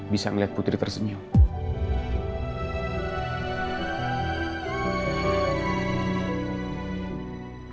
bisa ngeliat putri tersenyum